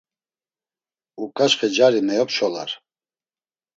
Uǩaçxe cari meyopşolar.